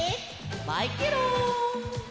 バイケロン！